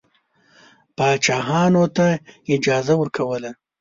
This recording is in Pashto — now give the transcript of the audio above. پاچاهانو ته اجازه ورکوله.